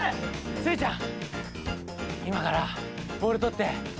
スイちゃん